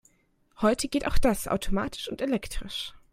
Heute geht auch das automatisch und elektrisch.